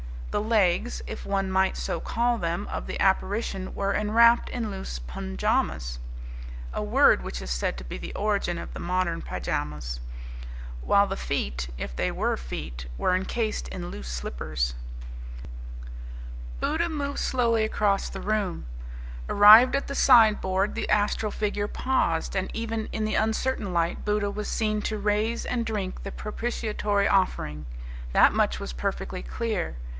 The legs, if one might so call them, of the apparition were enwrapped in loose punjahamas, a word which is said to be the origin of the modern pyjamas; while the feet, if they were feet, were encased in loose slippers. Buddha moved slowly across the room. Arrived at the sideboard the astral figure paused, and even in the uncertain light Buddha was seen to raise and drink the propitiatory offering. That much was perfectly clear.